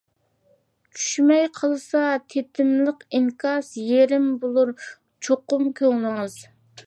چۈشمەي قالسا تېتىملىق ئىنكاس، يېرىم بولۇر چوقۇم كۆڭلىڭىز.